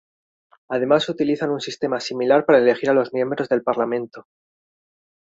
Además utilizan un sistema similar para elegir a los miembros del parlamento.